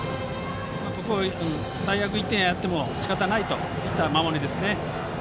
ここは、最悪１点やってもしかたがないといった守りですね。